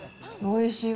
おいしい。